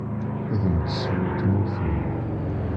Ad am-d-tessiwel tmurt-im.